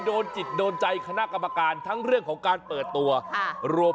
โดนจิตโดนใจคณะกรรมการทั้งเรื่องของการเปิดตัวค่ะรวม